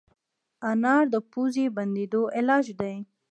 انار د پوزې بندېدو علاج دی.